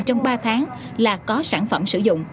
trong ba tháng là có sản phẩm sử dụng